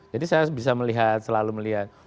jadi saya bisa melihat selalu melihat